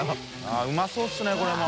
うまそうですねこれも。